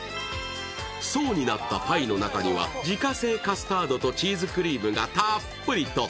層になったパイの中には自家製カスタードとチーズクリームがたっぷりと。